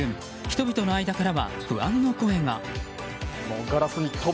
人々の間からは不安の声が。